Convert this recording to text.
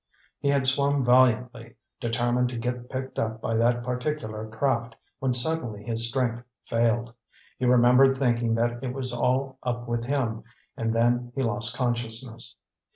He had swum valiantly, determined to get picked up by that particular craft, when suddenly his strength failed. He remembered thinking that it was all up with him, and then he lost consciousness.